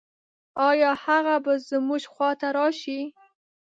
آيا هغه به زموږ خواته راشي؟